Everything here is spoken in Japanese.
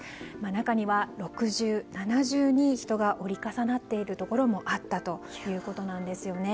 中には６重、７重に人が折り重なっているところもあったということなんですね。